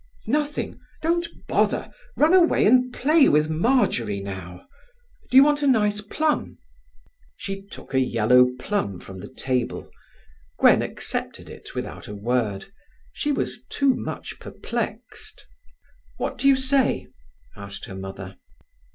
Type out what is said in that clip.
"Nothing. Don't bother. Run and play with Marjory now. Do you want a nice plum?" She took a yellow plum from the table. Gwen accepted it without a word. She was too much perplexed. "What do you say?" asked her mother.